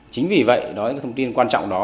chính vì vậy đó là cái thông tin quan trọng đó